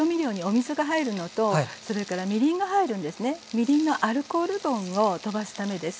みりんのアルコール分をとばすためです。